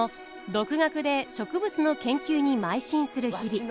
独学で植物の研究にまい進する日々。